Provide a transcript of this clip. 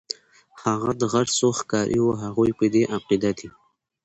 هغه د غرڅو ښکاري وو، هغوی په دې عقیده دي.